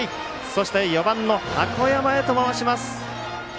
そして、４番の箱山へと回します。